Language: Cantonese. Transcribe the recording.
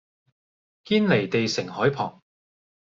堅彌地城海旁